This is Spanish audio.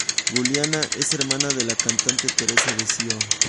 Giuliana es hermana de la cantante Teresa De Sio.